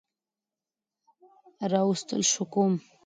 راوستل شو کوم